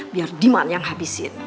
biar diman yang habisin